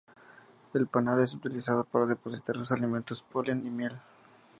El panal es utilizado para depositar sus alimentos: polen y miel.